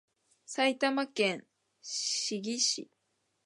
埼玉県志木市